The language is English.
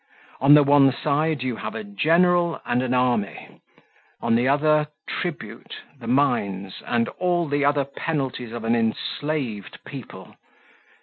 On the one side you have a general and an army; on the other, tribute, the mines, and all the other penalties of an enslaved people.